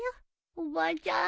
おばあちゃん。